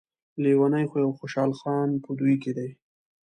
لیونی خو يو خوشحال خان په دوی کې دی.